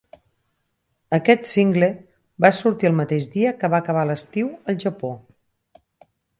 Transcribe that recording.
Aquest single va sortir el mateix dia que va acabar l'estiu al Japó.